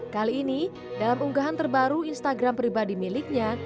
kali ini dalam unggahan terbaru instagram pribadi miliknya